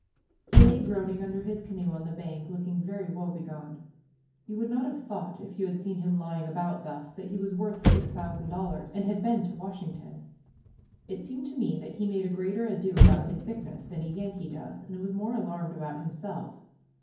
He lay groaning under his canoe on the bank, looking very woebegone. You would not have thought, if you had seen him lying about thus, that he was worth six thousand dollars and had been to Washington. It seemed to me that he made a greater ado about his sickness than a Yankee does, and was more alarmed about himself.